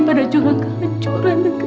pada jorok kehancuran kejahatan